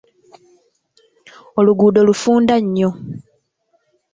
Oluguudo lufunda nnyo.